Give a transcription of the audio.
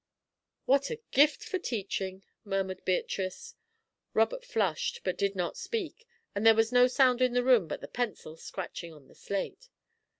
"What a gift for teaching," murmured Beatrice. Robert flushed, but did not speak, and there was no sound in the room but the pencil scratching on the slate.